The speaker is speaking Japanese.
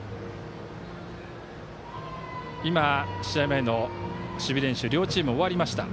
今、試合前の守備練習両チーム、終わりました。